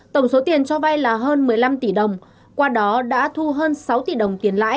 tổng số tiền cho vay là hơn một mươi năm tỷ đồng qua đó đã thu hơn sáu tỷ đồng tiền lãi